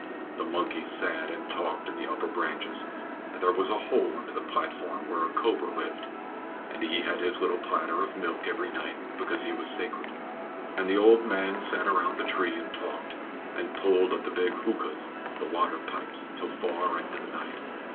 The monkeys sat and talked in the upper branches, and there was a hole under the platform where a cobra lived, and he had his little platter of milk every night because he was sacred; and the old men sat around the tree and talked, and pulled at the big huqas (the water pipes) till far into the night.